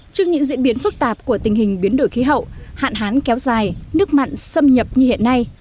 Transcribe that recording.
trước những diễn biến phức tạp của tình hình biến đổi khí hậu hạn hán kéo dài nước mặn xâm nhập như hiện nay